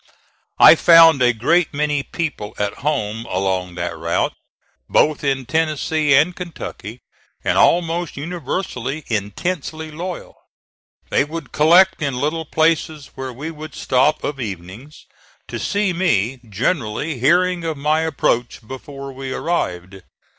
I found a great many people at home along that route, both in Tennessee and Kentucky, and, almost universally, intensely loyal. They would collect in little places where we would stop of evenings, to see me, generally hearing of my approach before we arrived.